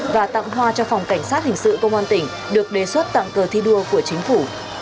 và tặng hoa cho phòng cảnh sát hình sự công an tỉnh được đề xuất tặng cờ thi đua của chính phủ